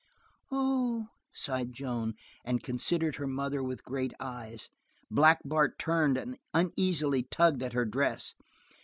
"Oh!" sighed Joan, and considered her mother with great eyes. Black Bart turned and uneasily tugged at her dress.